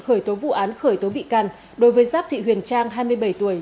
khởi tố vụ án khởi tố bị can đối với giáp thị huyền trang hai mươi bảy tuổi